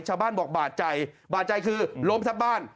ชาวบ้านบอกบาดใจบาดใจคือล้มทับบ้าน